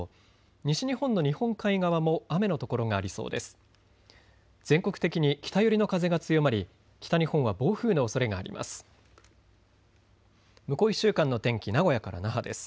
西日本の日本海側も雨のところがありそうです。